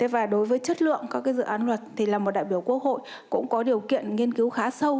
và đối với chất lượng các dự án luật thì là một đại biểu quốc hội cũng có điều kiện nghiên cứu khá sâu